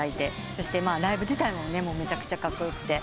そしてライブ自体もめちゃくちゃカッコよくて。